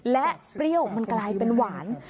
และเปรี้ยวมันกลายเป็นหวาน